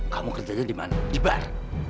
kamu kerjanya dimana di bar